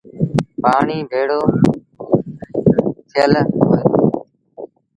پآڻيٚ ڀيڙو ٿيٚل هوئي دو۔